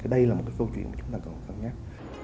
đây là một câu chuyện chúng ta cần phân nhắc